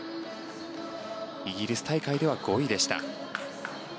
イギリス大会では５位でした。